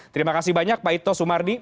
terima kasih banyak pak ito sumardi